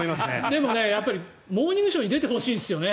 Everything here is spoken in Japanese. でもやっぱり「モーニングショー」に出てほしいんですよね。